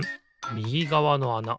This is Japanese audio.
みぎがわのあな